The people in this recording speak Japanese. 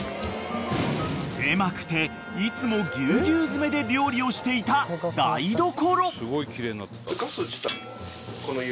［狭くていつもぎゅうぎゅう詰めで料理をしていた台所］